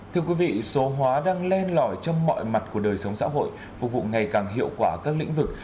thưa quý vị số hóa đang len lỏi trong mọi mặt của đời sống xã hội phục vụ ngày càng hiệu quả các lĩnh vực